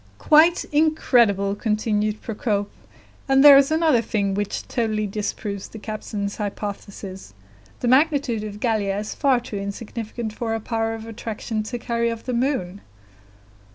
"Quite incredible!" continued Procope. "And there is another thing which totally disproves the captain's hypothesis; the magnitude of Gallia is far too insignificant for her power of attraction to carry off the moon."